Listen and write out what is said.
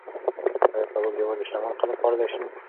ایا کباب یوازې شتمن خلک خوړلی شي؟